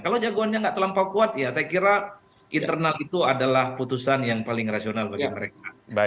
kalau jagoannya nggak terlampau kuat ya saya kira internal itu adalah putusan yang paling rasional bagi mereka